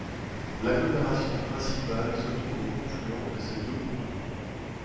L'agglomération principale se trouve au confluent de ces deux cours d'eau.